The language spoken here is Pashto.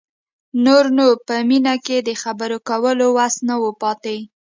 نور نو په مينې کې د خبرو کولو وس نه و پاتې.